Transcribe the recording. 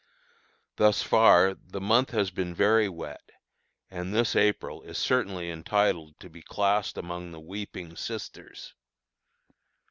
Thus far the month has been very wet, and this April is certainly entitled to be classed among the Weeping Sisters.